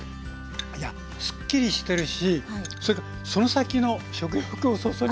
いやすっきりしてるしそれからその先の食欲をそそりますよね。